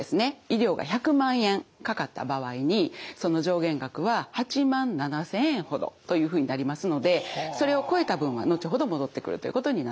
医療が１００万円かかった場合にその上限額は８万７，０００円ほどというふうになりますのでそれを超えた分は後ほど戻ってくるということになっています。